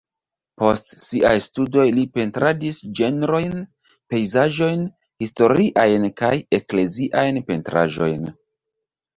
Post siaj studoj li pentradis ĝenrojn, pejzaĝojn, historiajn kaj ekleziajn pentraĵojn.